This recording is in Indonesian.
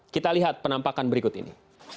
kita lihat penampakan berikut ini